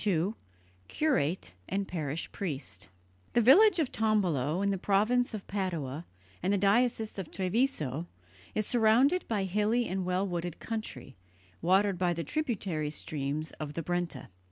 II CURATE AND PARISH PRIEST The village of Tombolo, in the province of Padua and the diocese of Treviso, is surrounded by hilly and well wooded country, watered by the tributary streams of the Brenta.